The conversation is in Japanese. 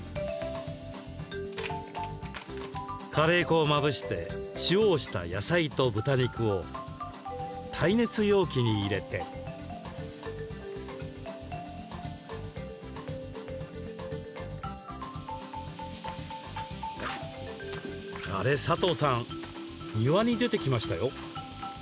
カレー粉をまぶして塩をした野菜と豚肉を耐熱容器に入れてあれ、サトウさん庭に出てきましたよ。